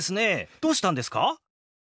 どうしたんですか？